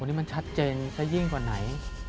อันนี้มันชัดเจนซะยิ่งกว่าไหน